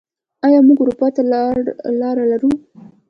آیا موږ اروپا ته لاره لرو؟